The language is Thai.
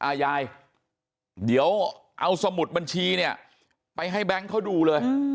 ยายเดี๋ยวเอาสมุดบัญชีเนี่ยไปให้แบงค์เขาดูเลย